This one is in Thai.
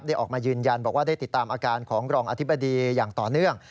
ออกมายืนยันบอกว่าได้ติดตามอาการของรองอธิบดีอย่างต่อเนื่อง